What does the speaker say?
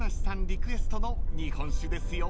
リクエストの日本酒ですよ］